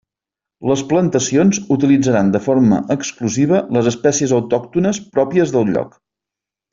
Les plantacions utilitzaran de forma exclusiva les espècies autòctones pròpies del lloc.